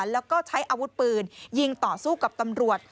แล้วก็ใช้อาวุธปืนยิงต่อสู้กับตำรวจ